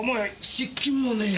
失禁もねえ。